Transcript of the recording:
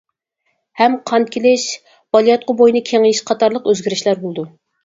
ھەم قان كېلىش، بالىياتقۇ بوينى كېڭىيىش قاتارلىق ئۆزگىرىشلەر بولىدۇ.